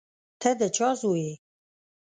ته د چا زوی یې؟